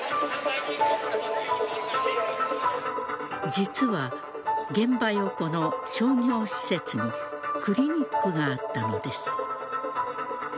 実は、現場横の商業施設にクリニックがあったのです。